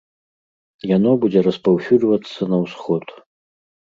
Яно будзе распаўсюджвацца на ўсход.